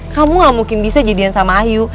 kamu gak mungkin bisa jadian sama ayu